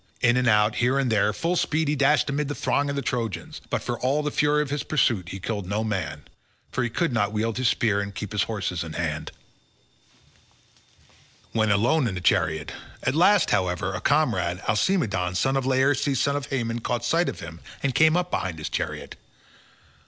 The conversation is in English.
In and out, and here and there, full speed he dashed amid the throng of the Trojans, but for all the fury of his pursuit he killed no man, for he could not wield his spear and keep his horses in hand when alone in the chariot; at last, however, a comrade, Alcimedon, son of Laerces son of Haemon caught sight of him and came up behind his chariot.